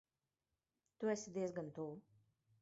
Tu esi diezgan tuvu.